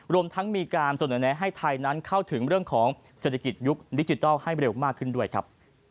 รวมทั้งมีการเสนอแนะให้ไทยนั้นเข้าถึงเรื่องของเศรษฐกิจยุคดิจิทัลให้เร็วมากขึ้นด้วยครับ